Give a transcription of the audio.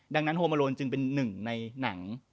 ดังนั้นโฮมาโลนจึงเป็นหนึ่งในหนัง